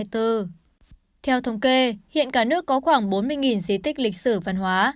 theo thống kê hiện cả nước có khoảng bốn mươi di tích lịch sử văn hóa